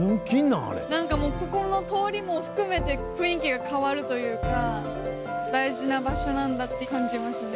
何かもうここの通りも含めて雰囲気が変わるというか大事な場所なんだって感じますね。